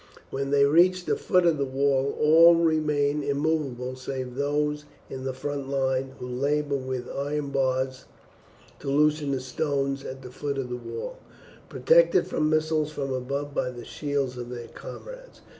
When they reach the foot of the wall all remain immovable save those in the front line, who labour with iron bars to loosen the stones at the foot of the wall, protected from missiles from above by the shields of their comrades.